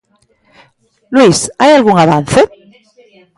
Luís, hai algún avance?